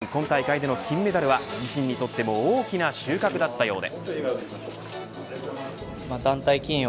その分今大会での金メダルは自身にとっても大きな収穫だったようで。